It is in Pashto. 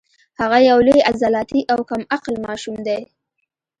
هغه یو لوی عضلاتي او کم عقل ماشوم دی